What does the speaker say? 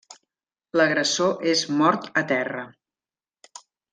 L'agressor és mort a terra.